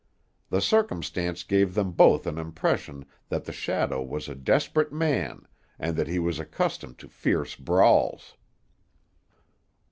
The circumstance gave them both an impression that the shadow was a desperate man, and that he was accustomed to fierce brawls.